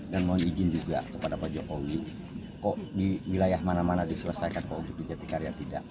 dan mohon izin juga kepada pak jokowi kok di wilayah mana mana diselesaikan kok untuk di jati karya tidak